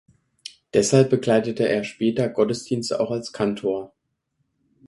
Deshalb begleitete er später Gottesdienste auch als Kantor.